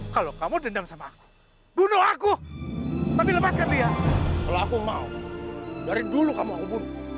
kalau aku mau dari dulu kamu mau aku bunuh